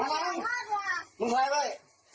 กูบอกกันดิ